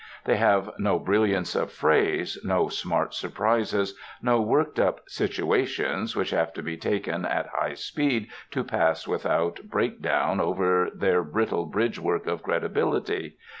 They have no brilliance of phrase, no smart surprises, no worked up 'situations' which have to be taken at high speed to pass without breakdown over their brittle bridgework of credibility.